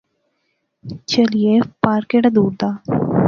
چہلیے، پار کیہڑا دور دا